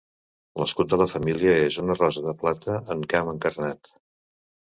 L'escut de la família és una rosa de plata en camp encarnat.